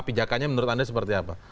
pijakannya menurut anda seperti apa